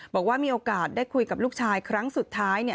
บอกว่ามีโอกาสได้คุยกับลูกชายครั้งสุดท้ายเนี่ย